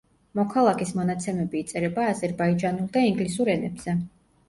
მოქალაქის მონაცემები იწერება აზერბაიჯანულ და ინგლისურ ენებზე.